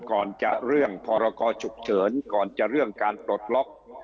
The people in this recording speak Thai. ก่อนจะเรื่องพรกรฉุกเฉินก่อนจะเรื่องการปลดล็อก